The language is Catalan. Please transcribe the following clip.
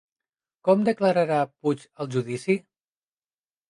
Com declararà Puig al judici?